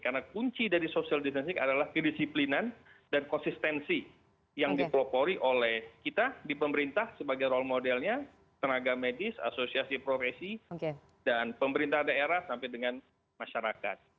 karena kunci dari social distancing adalah kedisiplinan dan konsistensi yang dipropori oleh kita di pemerintah sebagai role modelnya tenaga medis asosiasi profesi dan pemerintah daerah sampai dengan masyarakat